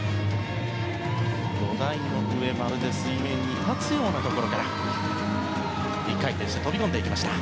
土台の上、まるで水面に立つようなところから１回転して飛び込んでいきました。